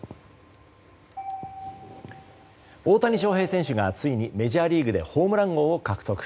大谷翔平選手がついにメジャーリーグでホームラン王を獲得。